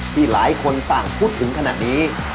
ที่หลายคนต่างพูดถึงขนาดนี้